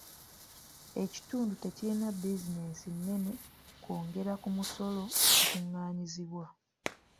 Ekitundu tekirina bizinensi nnene kwongera ku musolo ogukungaanyizibwa.